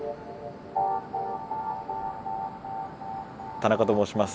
田中と申します。